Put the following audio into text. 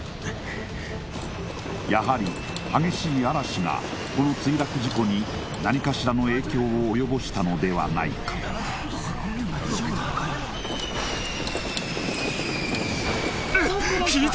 やはり激しい嵐がこの墜落事故に何かしらの影響をおよぼしたのではないか引いて！